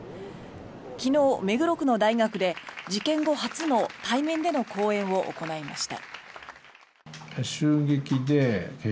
昨日、目黒区の大学で事件後初の対面での講演を行いました。